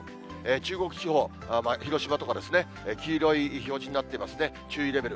中国地方、広島とかですね、黄色い表示になっていますね、注意レベル。